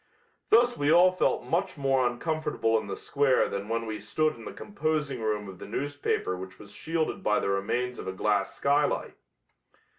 Thus we all felt much more uncomfortable in the square than when we stood in the composing room of the newspaper which was shielded by the remains of a glass skylight.